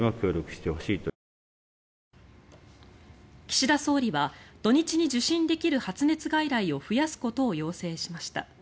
岸田総理は土日に受診できる発熱外来を増やすことを要請しました。